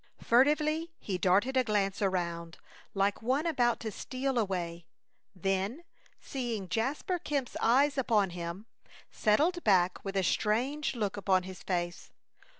Furtively he darted a glance around, like one about to steal away; then, seeing Jasper Kemp's eyes upon him, settled back with a strained look upon his face.